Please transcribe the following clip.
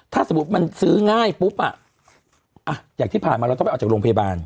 ถ้าสมมุติมันซื้อง่ายปุ๊บอ่ะอย่างที่ผ่านมาเราต้องไปออกจากโรงพยาบาล